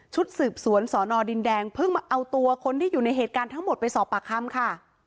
สืบสวนสอนอดินแดงเพิ่งมาเอาตัวคนที่อยู่ในเหตุการณ์ทั้งหมดไปสอบปากคำค่ะ